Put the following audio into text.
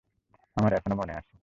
আমার এখনো মনে আছে।